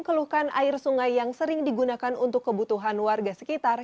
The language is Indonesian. keluhkan air sungai yang sering digunakan untuk kebutuhan warga sekitar